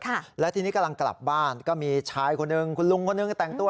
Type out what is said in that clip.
ค่ะและทีนี้กำลังกลับบ้านก็มีชายคนหนึ่งคุณลุงคนหนึ่งแต่งตัว